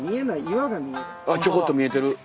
ちょこっと見えてる。